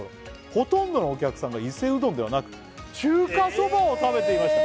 「ほとんどのお客さんが伊勢うどんではなく」「中華そばを食べていました」